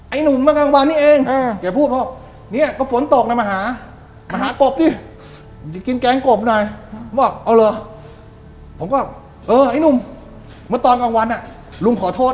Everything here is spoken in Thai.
ไอหนุ่มมากางวันนี้เองเขาพูดโหล